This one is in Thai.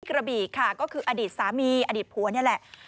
กระบี่ค่ะก็คืออดีตสามีอดีตผัวนี่แหละ